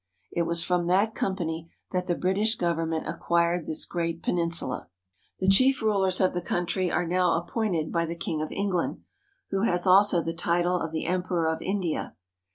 It was from that company that the British government acquired this great peninsula. The chief rulers of the country are now appointed by the king of England, who has also the title of the Emperor of India.